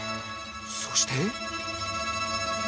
そして